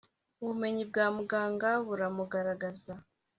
ubumenyi bwa muganga buramugaragaza